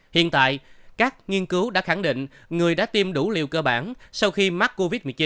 hiện tại các nghiên cứu đã khẳng định người đã tiêm đủ liều cơ bản sau khi mắc covid một mươi chín